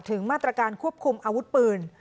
ถึงมาตรการควบคุมอาวุธปืน